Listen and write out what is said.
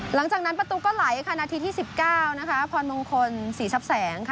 หลังจากนั้นประตูก็ไหลนาทีที่๑๙พรมงคลศรีชับแสง